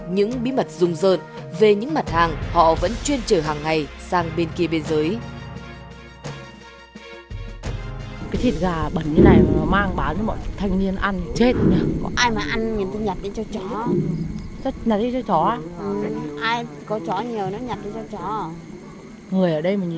những bí mật rung rơn về những mặt hàng họ vẫn chuyên trở hàng ngày sang bên kia bên dưới